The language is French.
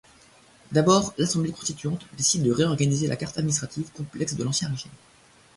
D'abord, l'Assemblée constituante décide de réorganiser la carte administrative complexe de l'Ancien Régime.